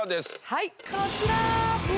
はいこちら！